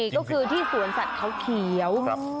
ก็คือที่สวนสัตว์เขาเขียว